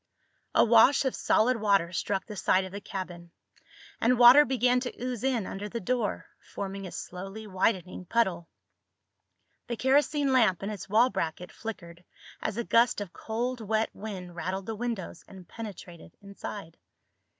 A wash of solid water struck the side of the cabin, and water began to ooze in under the door, forming a slowly widening puddle. The kerosene lamp in its wall bracket flickered as a gust of cold wet wind rattled the windows and penetrated inside.